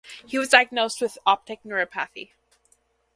He was diagnosed with optic neuropathy.